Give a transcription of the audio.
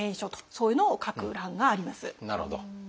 なるほど。